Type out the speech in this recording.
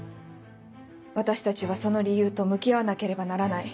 私たちはその理由と向き合わなければならない。